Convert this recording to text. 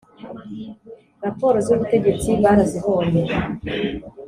raporo z ubutegetsi barazibonye